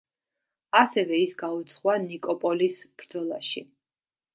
ასევე ის გაუძღვა ნიკოპოლის ბრძოლაში.